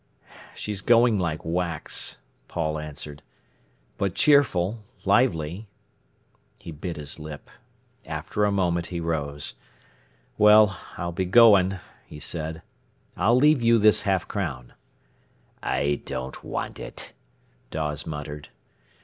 "She's going like wax," Paul answered; "but cheerful—lively!" He bit his lip. After a minute he rose. "Well, I'll be going," he said. "I'll leave you this half crown." "I don't want it," Dawes muttered.